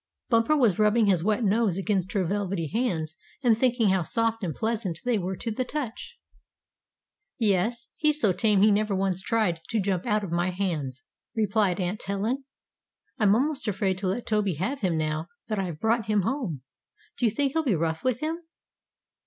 Bumper was rubbing his wet nose against her velvety hands and thinking how soft and pleasant they were to the touch. "Yes, he's so tame he never once tried to jump out of my hands," replied Aunt Helen. "I'm almost afraid to let Toby have him now that I've brought him home. Do you think he'll be rough with him?"